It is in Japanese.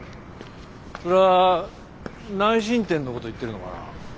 それは内申点のこと言ってるのかな？